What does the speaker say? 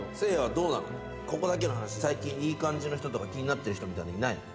ここだけの話最近いい感じの人とか気になってる人みたいなのいないの？